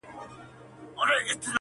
ستا خو غاړه په موږ ټولو کي ده لنډه!.